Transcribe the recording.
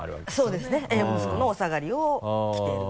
そうですね息子のお下がりを着てる。